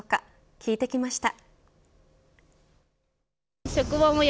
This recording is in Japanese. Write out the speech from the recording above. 聞いてきました。